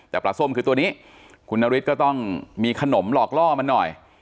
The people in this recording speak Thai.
แต่ปลาส้มคือตัวนี้คุณนฤทธิ์ก็ต้องมีขนมหลอกล่อมันหน่อย